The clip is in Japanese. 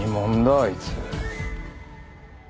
あいつ。